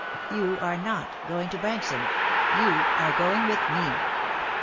You are not going to Branxham ; yon are going with me."